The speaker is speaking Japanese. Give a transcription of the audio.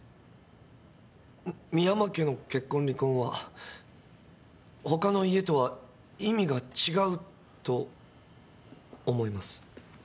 深山家の結婚離婚は他の家とは意味が違うと思います。